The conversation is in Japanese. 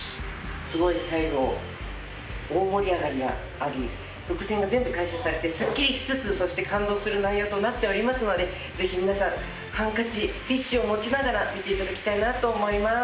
すごい最後大盛り上がりがあり伏線が全部回収されてすっきりしつつそして感動する内容となっておりますのでぜひ皆さんハンカチティッシュを持ちながら見ていただきたいなと思います。